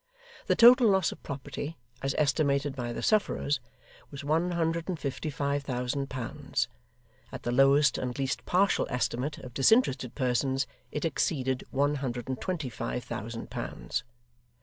The total loss of property, as estimated by the sufferers, was one hundred and fifty five thousand pounds; at the lowest and least partial estimate of disinterested persons, it exceeded one hundred and twenty five thousand pounds.